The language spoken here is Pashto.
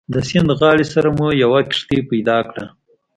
د سیند غاړې سره مو یوه کښتۍ پیدا کړه.